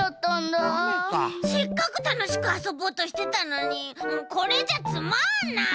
せっかくたのしくあそぼうとしてたのにもうこれじゃつまんない！